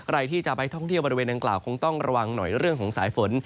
ใครที่จะไปท่องเที่ยวบริเวณดังกล่าวคงต้องระวังหน่อยเรื่องของสายฝน